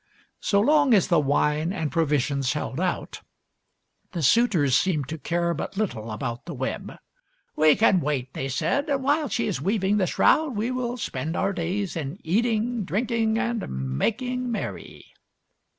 So long as the wine and provisions held out, the suitors seemed to care but little about the web. " We can wait," they said ;" and while she is weaving the shroud, we will spend our days in eat ing, drinking, and making merry."